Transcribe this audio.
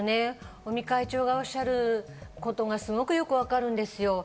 尾身会長がおっしゃることがすごくよくわかるんですよ。